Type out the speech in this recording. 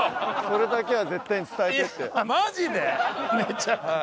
「それだけは絶対に伝えて」って。